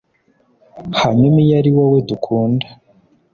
Hanyuma iyo ariwowe dukunda